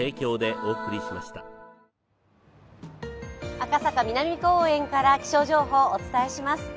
赤坂南公園から気象情報をお伝えします。